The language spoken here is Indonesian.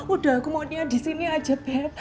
udah aku mau nyadis sini aja bet